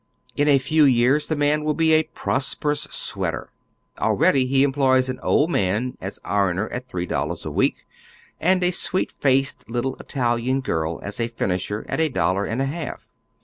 In a few years the man will be a prosperous sweater. Already he employs an old man as ironer at three dollars a week, and a sweet faced little Italian girl as finisher at a dollar and a Iialf.